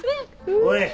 おい。